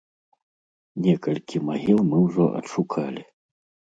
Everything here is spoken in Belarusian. Некалькі магіл мы ўжо адшукалі.